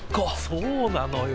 そうなのよ。